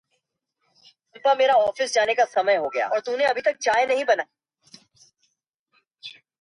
He resigned and accepted the position of President of the Massachusetts Biotechnology Council.